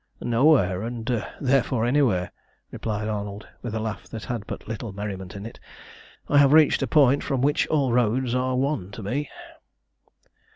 "Nowhere and therefore anywhere," replied Arnold, with a laugh that had but little merriment in it. "I have reached a point from which all roads are one to me."